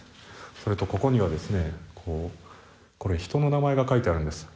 それとここには人の名前が書いてあるんです。